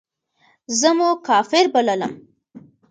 زه مو کافر بللم.